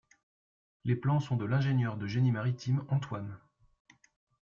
Les plans sont de l'ingénieur du Génie maritime Antoine.